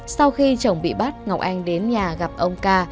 sau khi chồng bị bắt ngọc anh đến nhà gặp ông ca